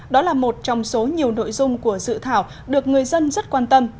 đó là một trong số nhiều nội dung của dự thảo được người dân rất quan tâm